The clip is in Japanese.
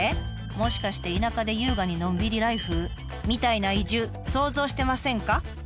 もしかして田舎で優雅にのんびりライフみたいな移住想像してませんか？